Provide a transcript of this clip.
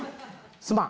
すまん。